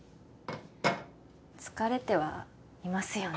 疲れてはいますよね